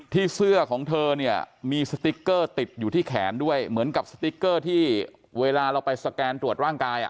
เสื้อของเธอเนี่ยมีสติ๊กเกอร์ติดอยู่ที่แขนด้วยเหมือนกับสติ๊กเกอร์ที่เวลาเราไปสแกนตรวจร่างกาย